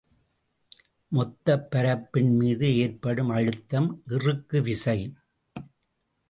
மொத்தப் பரப்பின் மீது ஏற்படும் அழுத்தம் இறுக்கு விசை.